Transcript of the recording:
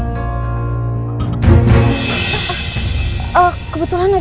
ku pake pelanggang